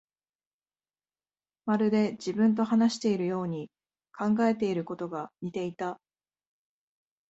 まるで自分と話しているように、考えていることが似ていた